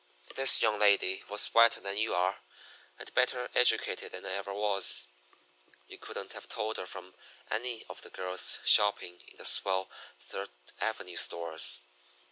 This young lady was whiter than you are, and better educated than I ever was. You couldn't have told her from any of the girls shopping in the swell Third Avenue stores.